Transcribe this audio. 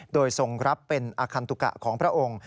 โดยทรงรับเป็นอคันตุกะของพระองค์